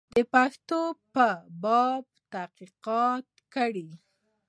د پښتنو په باب تحقیقات کړي.